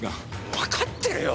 わかってるよ！